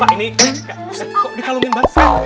dan ini kok dikalungin banget